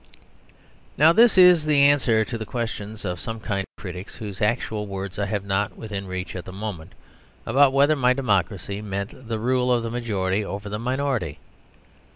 Now, this is the answer to the questions of some kind critics, whose actual words I have not within reach at the moment, about whether my democracy meant the rule of the majority over the minority.